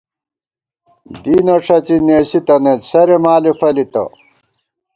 دینہ ݭڅی نېسی تنئیت ، سرے مالے فلِتہ